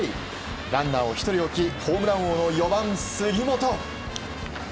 ランナーを１人置きホームラン王の４番、杉本。